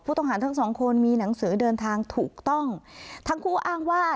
ต้องหารทั้งสองคนมีหนังสือเดินทางถูกต้องทั้งคู่อ้างว่า